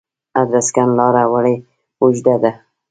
ادرسکن لاره ولې اوږده ده؟